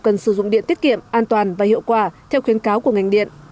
cần sử dụng điện tiết kiệm an toàn và hiệu quả theo khuyến cáo của ngành điện